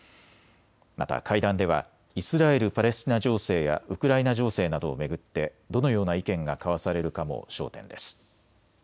また会談ではイスラエル・パレスチナ情勢やウクライナ情勢などを巡ってどのような意見が交わされるかも焦点です。